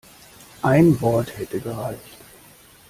Ein Wort hätte gereicht.